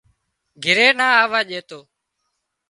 گھرِي نا آووا ڄيتو